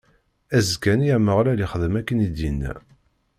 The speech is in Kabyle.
Azekka-nni, Ameɣlal ixdem akken i d-inna.